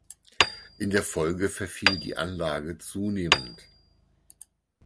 In der Folge verfiel die Anlage zunehmend.